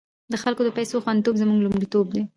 د خلکو د پيسو خوندیتوب زموږ لومړیتوب دی۔